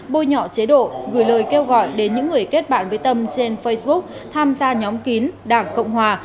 bôi nhỏ chế độ gửi lời kêu gọi đến những người kết bạn với tâm trên facebook tham gia nhóm kín đảng cộng hòa